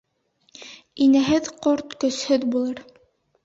Инәһеҙ ҡорт көсһөҙ булыр.